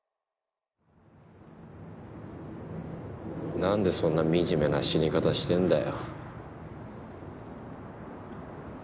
何でそんな惨めな死に方してんだよ。